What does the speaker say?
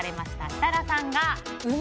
設楽さんが梅。